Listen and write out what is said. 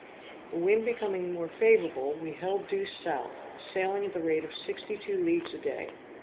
The wind becoming more favorable, we held due south, sailing at the rate of sixty two leagues a day.